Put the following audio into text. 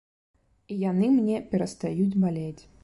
І яны мне перастаюць балець.